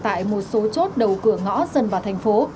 tại một số chốt đầu cửa ngõ dần vào thành phố